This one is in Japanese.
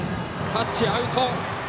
タッチアウト。